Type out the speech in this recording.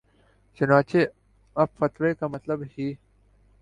چنانچہ اب فتوے کا مطلب ہی